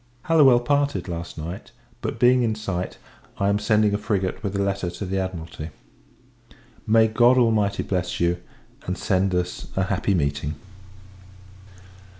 Hallowell parted last night; but, being in sight, I am sending a frigate with a letter to the Admiralty. May God Almighty bless you, and send us a happy meeting!